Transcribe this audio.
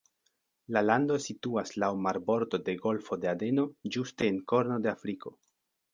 La lando situas laŭ marbordo de golfo de Adeno, ĝuste en korno de Afriko.